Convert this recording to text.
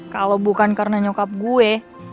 kalau bukan karena nyukap gue